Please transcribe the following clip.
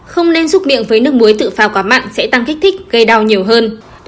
không nên xúc miệng với nước muối tự phao quá mặn sẽ tăng kích thích gây đau nhiều hơn